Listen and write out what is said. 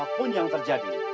apapun yang terjadi